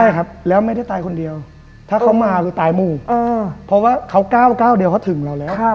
ใช่ครับแล้วไม่ได้ตายคนเดียวถ้าเขามาคือตายหมู่เพราะว่าเขาก้าวเดียวเขาถึงเราแล้ว